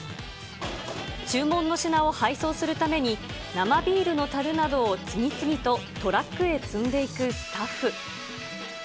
注文の品を配送するために、生ビールのたるなどを次々とトラックへ積んでいくスタッフ。